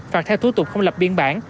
phạt theo thủ tục không lập biên bản